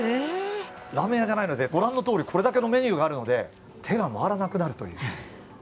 ラーメン屋じゃないので、ご覧のとおり、これだけのメニューがあるので、手が回らなくなるという。